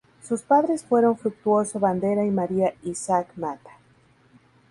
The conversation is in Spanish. Sus padres fueron Fructuoso Bandera y María Issac Mata.